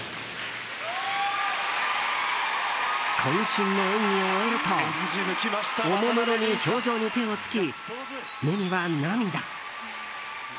渾身の演技を終えるとおもむろに氷上に手をつき目には涙。